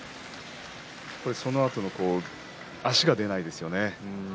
そのあと足が出ないですよね。